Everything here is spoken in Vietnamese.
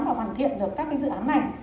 và hoàn thiện được các cái dự án này